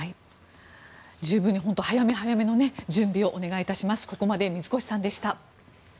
十分に、早め早めの準備をお願いいたします。